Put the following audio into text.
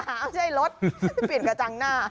ไม่ใช่รถเปลี่ยนกระจังหน้า